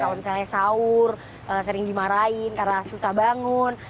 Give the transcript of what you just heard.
kalau misalnya sahur sering dimarahin karena susah bangun